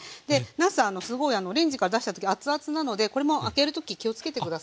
なすすごいレンジから出した時熱々なのでこれも開ける時気をつけて下さい。